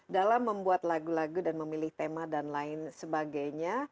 dalam membuat lagu lagu dan memilih tema dan lain sebagainya